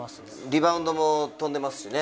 リバウンドも跳んでますしね。